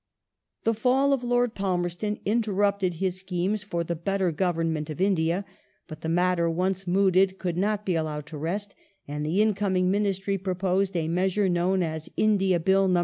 The fall of Lord Palmerston interrupted his schemes for the The gov better government of India, but the matter once mooted could ^^""^^."^ not be allowed to rest and the incoming Ministry proposed a mea sure known as "India Bill No.